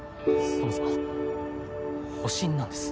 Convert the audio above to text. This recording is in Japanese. そもそも保身なんです。